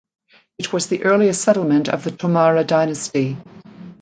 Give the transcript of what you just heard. It was the earliest settlement of the Tomara dynasty.